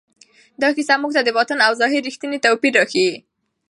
دا کیسه موږ ته د باطن او ظاهر رښتینی توپیر راښیي.